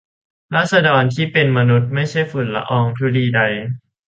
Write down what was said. ราษฎรที่เป็นมนุษย์ไม่ใช่ฝุ่นละอองธุลีใด